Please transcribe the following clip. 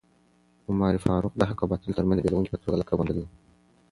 عمر فاروق د حق او باطل ترمنځ د بېلوونکي په توګه لقب موندلی و.